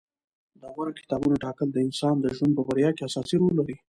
د غوره کتابونو ټاکل د انسان د ژوند په بریا کې اساسي رول لري.